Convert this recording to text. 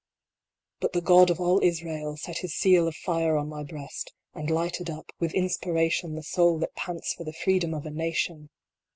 But the God of all Israel set His seal of fire on my breast, and lighted up, with inspiration, the soul that pants for the Freedom of a nation